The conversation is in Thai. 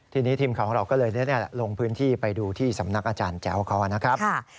ทีนี้ทีมข่าวของเราก็เลยลงพื้นที่ไปดูที่สำนักอาจารย์แจ้วเขานะครับ